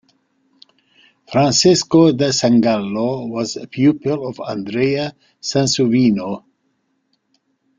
Francesco da Sangallo was a pupil of Andrea Sansovino.